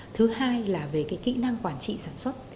thứ hai là về cái kỹ năng quản trị sản xuất